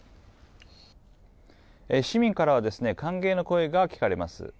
市民からは歓迎の声が聞かれます。